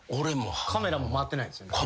カメラも回ってないんですよね？